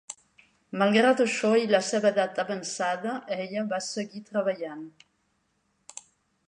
Malgrat això i la seva edat avançada, ella va seguir treballant.